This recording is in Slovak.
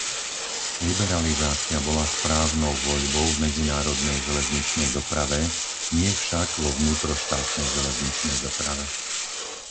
Liberalizácia bola správnou voľbou v medzinárodnej železničnej doprave, nie však vo vnútroštátnej železničnej doprave.